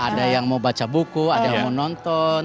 ada yang mau baca buku ada yang mau nonton